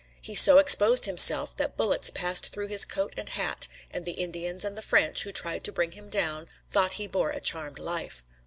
He so exposed himself that bullets passed through his coat and hat, and the Indians and the French who tried to bring him down thought he bore a charmed life.